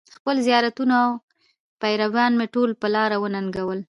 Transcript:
خپل زیارتونه او پیران مې ټول په لاره وننګول.